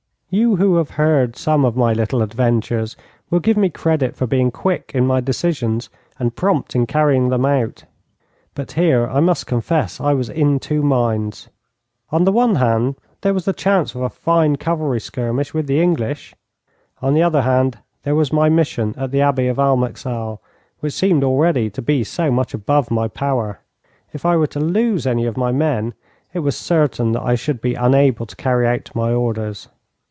You who have heard some of my little adventures will give me credit for being quick in my decisions, and prompt in carrying them out. But here I must confess that I was in two minds. On the one hand there was the chance of a fine cavalry skirmish with the English. On the other hand, there was my mission at the Abbey of Almeixal, which seemed already to be so much above my power. If I were to lose any of my men, it was certain that I should be unable to carry out my orders.